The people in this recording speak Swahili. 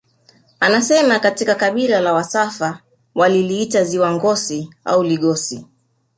Anasema katika kabila la wasafa waliliita ziwa Ngosi au Ligosi